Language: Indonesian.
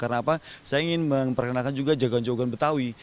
karena saya ingin memperkenalkan juga jagoan jagoan betawi